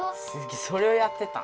それをやってたん？